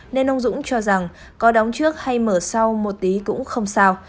nên ông dũng cho rằng có đóng trước hay mở sau một tí cũng không sao